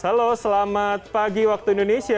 halo selamat pagi waktu indonesia